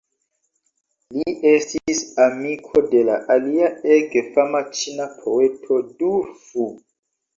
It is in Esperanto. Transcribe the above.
Li estis amiko de alia ege fama ĉina poeto, Du Fu.